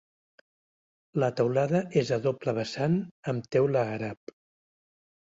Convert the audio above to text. La teulada és a doble vessant amb teula àrab.